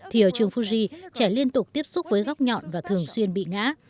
thì ở trường fuji trẻ liên tục tiếp xúc với góc nhọn và thường xuyên bị ngã